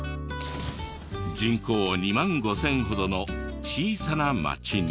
人口２万５０００ほどの小さな町に。